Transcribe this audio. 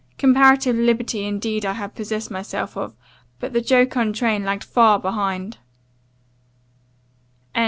Comparative liberty indeed I had possessed myself of; but the jocund train lagged far behind!"